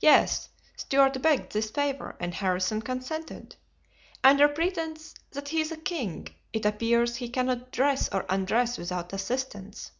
"Yes; Stuart begged this favor and Harrison consented. Under pretense that he's a king it appears he cannot dress or undress without assistance."